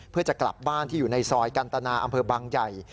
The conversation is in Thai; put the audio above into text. เพื่อจะกลับบ้านที่อยู่ในซอยกันตนาอำเภอบางใหญ่